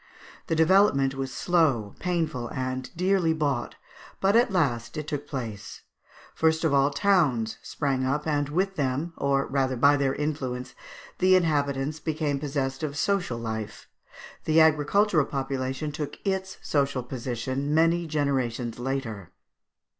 The development was slow, painful, and dearly bought, but at last it took place; first of all towns sprang up, and with them, or rather by their influence, the inhabitants became possessed of social life. The agricultural population took its social position many generations later.